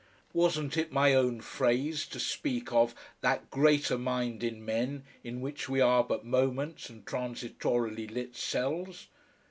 Wasn't it my own phrase to speak of "that greater mind in men, in which we are but moments and transitorily lit cells?"